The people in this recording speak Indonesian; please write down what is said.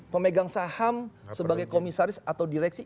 pemegang saham sebagai komisaris atau direksi